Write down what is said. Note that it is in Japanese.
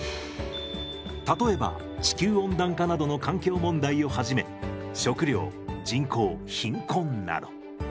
例えば地球温暖化などの環境問題をはじめ食糧人口貧困など。